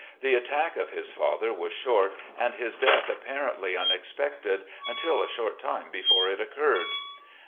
The attack of his father was short, and his death apparently unexpected imtil a short' time before it occurred.